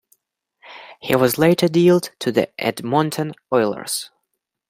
He was later dealt to the Edmonton Oilers.